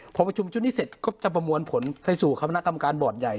พอประชุมชุดนี้เสร็จก็จะประมวลผลไปสู่คณะกรรมการบอร์ดใหญ่